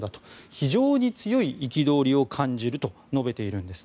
非常に強い憤りを感じると述べているんです。